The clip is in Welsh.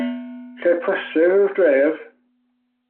Lle prysur yw'r dref.